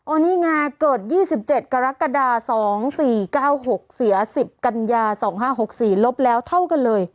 โอนี่งาน์เกิดยี่สิบเจ็ดกรกฎาสองสี่เก้าหกเสียสิบกัณญาสองห้าหกสี่ลบแล้วเท่ากันเลย